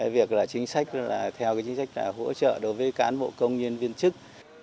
việc là chính sách là theo cái chính sách là hỗ trợ đối với cán bộ công nhân viên chức